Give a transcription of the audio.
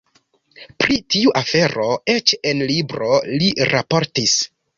Pri tiu afero eĉ en libro li raportis.